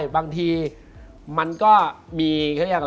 บางทีมันก็มี